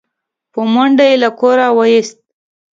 په منډه يې له کوره و ايست